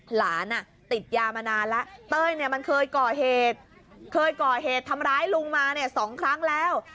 ติดยามานานแล้วเต้ยเนี่ยมันเคยก่อเหตุเคยก่อเหตุทำร้ายลุงมาเนี่ย๒ครั้งแล้ว